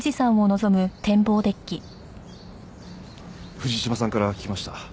藤島さんから聞きました。